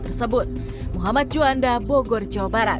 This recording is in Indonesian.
tersebut muhammad juanda bogor jawa barat